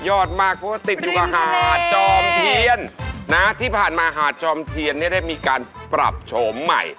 มากเพราะว่าติดอยู่กับหาดจอมเทียนนะที่ผ่านมาหาดจอมเทียนเนี่ยได้มีการปรับโฉมใหม่